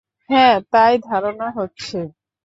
হ্যাঁ, তাই ধারণা হচ্ছে।